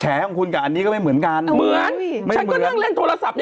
แต่คุณแม่เงียบเลยนะ